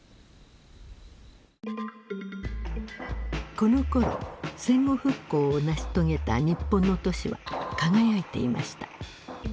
このころ戦後復興を成し遂げた日本の都市は輝いていました。